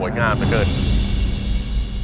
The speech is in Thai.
โอ้โหโอ้โหโอ้โหโอ้โหโอ้โหโอ้โหโอ้โห